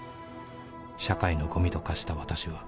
「社会のゴミと化した私は」